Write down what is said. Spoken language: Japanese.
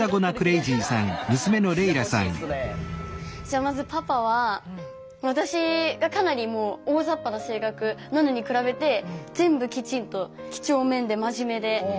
じゃあまずパパは私がかなり大ざっぱな性格なのに比べて全部きちんときちょうめんで真面目で。